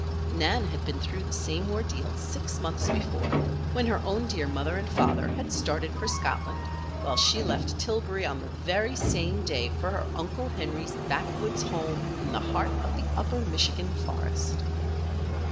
Nan had been through the same ordeal six months before, when her own dear mother and father had started for Scotland, while she left Tillbury on the very same day for her uncle Henry's backwoods home in the heart of the Upper Michigan forest.